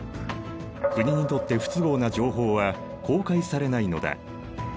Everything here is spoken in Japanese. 国にとって不都合な情報は公開されないのだ。